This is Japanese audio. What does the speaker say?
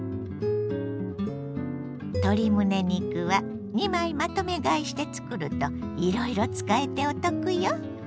鶏むね肉は２枚まとめ買いしてつくるといろいろ使えてお得よ。